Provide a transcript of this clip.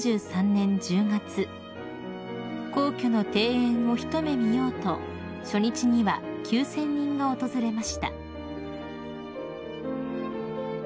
［皇居の庭園を一目見ようと初日には９，０００人が訪れました］